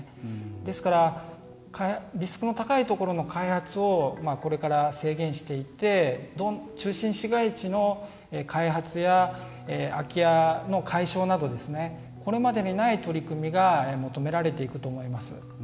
ですから、リスクの高いところの開発をこれから制限していって中心市街地の開発や空き家の解消などこれまでにない取り組みが求められていくと思います。